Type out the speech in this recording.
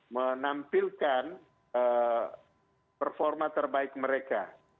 menampilkan performa terbaik mereka